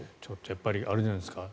やっぱりあれじゃないですか。